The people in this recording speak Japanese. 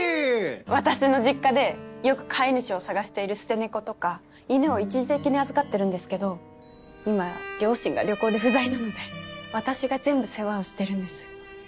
私の実家でよく飼い主を探している捨て猫とか犬を一時的に預かってるんですけど今両親が旅行で不在なので私が全部世話をしてるんです。